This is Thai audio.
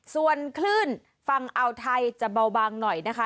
ส่วนคลื่นฝั่งอ่าวไทยจะเบาบางหน่อยนะคะ